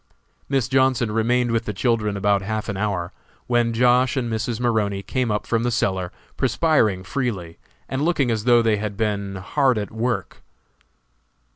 Miss Johnson remained with the children about half an hour, when Josh. and Mrs. Maroney came up from the cellar, perspiring freely, and looking as though they had been hard at work.